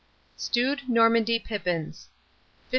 STEWED NORMANDY PIPPINS. 1563.